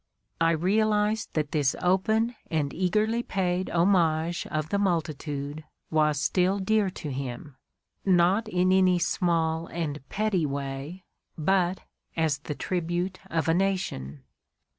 I realized that this open and eagerly paid homage of the multitude was still dear to him, not in any small and "petty way, but as the tribute of a nation."